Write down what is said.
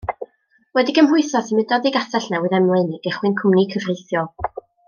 Wedi cymhwyso symudodd i Gastellnewydd Emlyn i gychwyn cwmni cyfreithiol.